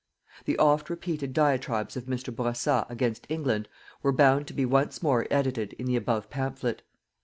The oft repeated diatribes of Mr. Bourassa against England were bound to be once more edited in the above pamphlet.